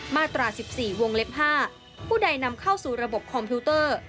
มาตรา๑๔วงเล็บ๕ผู้ใดนำเข้าสู่ระบบคอมพิวเตอร์